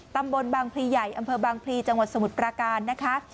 ตำบลบางพลีใหญ่อำเภอบางพลีจังหวัดสมุทรปราการนะคะ